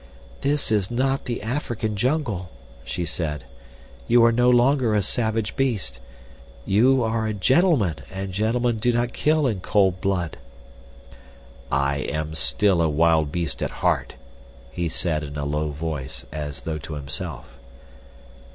"This is not the African jungle," she said. "You are no longer a savage beast. You are a gentleman, and gentlemen do not kill in cold blood." "I am still a wild beast at heart," he said, in a low voice, as though to himself.